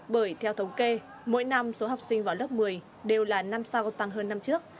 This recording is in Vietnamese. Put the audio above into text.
bởi theo thống kê mỗi năm số học sinh vào lớp một mươi đều là năm sau tăng hơn năm trước